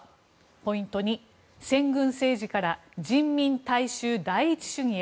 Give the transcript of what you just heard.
ポイント２、先軍政治から人民大衆第一主義へ。